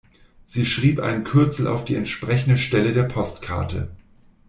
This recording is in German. Sie schrieb ein Kürzel auf die entsprechende Stelle der Postkarte.